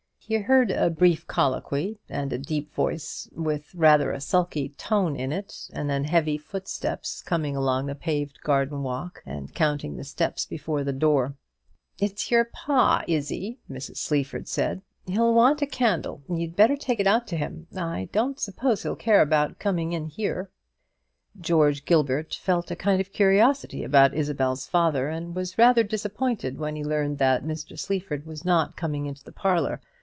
He heard a brief colloquy, and a deep voice with rather a sulky tone in it, and then heavy footsteps coming along the paved garden walk and counting the steps before the door. "It's your pa, Izzie," Mrs. Sleaford said. "He'll want a candle: you'd better take it out to him; I don't suppose he'll care about coming in here." George Gilbert felt a kind of curiosity about Isabel's father, and was rather disappointed when he learnt that Mr. Sleaford was not coming into the parlour.